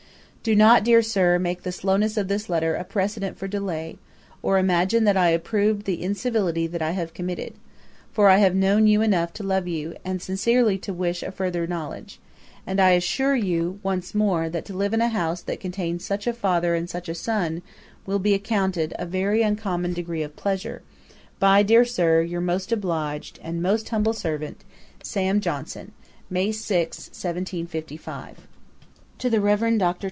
'Do not, dear Sir, make the slowness of this letter a precedent for delay, or imagine that I approved the incivility that I have committed; for I have known you enough to love you, and sincerely to wish a further knowledge; and I assure you, once more, that to live in a house that contains such a father and such a son, will be accounted a very uncommon degree of pleasure, by, dear Sir, your most obliged, and 'Most humble servant, 'SAM. JOHNSON.' 'May 6, 1755.' [Page 289: Letters to Mr. Warton. Ætat 46.] 'To THE REVEREND MR.